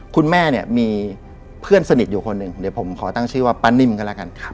คุณแม่มีเพื่อนสนิทอยู่คนหนึ่งผมขอตั้งชื่อว่าปะนิมก็แล้วกัน